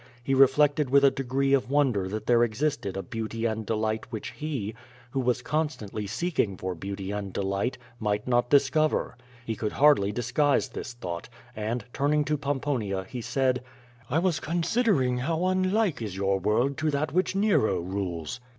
He reflected with a degree of wonder that there existed a beauty and delight whicii he, who was constantly 8eeki^g for beauty and delight, might not discover. He could hardly disguise this thought, and, turning to Pomponia, he said: "I was considering how unlike is your world to that which Nero rules.''